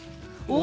お！